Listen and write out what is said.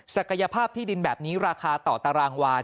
ศักยภาพที่ดินแบบนี้ราคาต่อตารางวาน